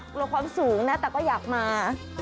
กลัวความสูงนะแต่ก็อยากมา